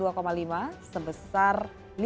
warna oranye ini artinya tidak sehat untuk kelompok sensitif